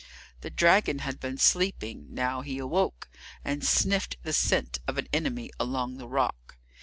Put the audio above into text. The dragon had been sleeping, now he awoke, and sniffed the scent of an enemy along the rock.